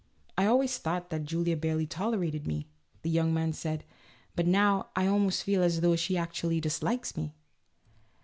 " I always thought that Julia barely tolerated me," the young man said, " but now I almost feel as though she actually dislikes me."